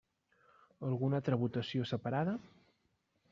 Alguna altra votació separada?